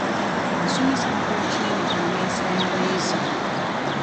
Abasomesa bakola kinene ku nneyisa y'abayizi.